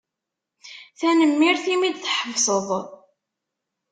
Tanemmirt imi d-tḥebsed.